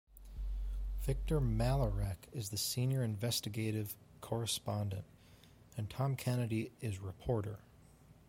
Victor Malarek is the senior investigative correspondent and Tom Kennedy is reporter.